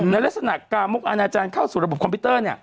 ลักษณะกามกอนาจารย์เข้าสู่ระบบคอมพิวเตอร์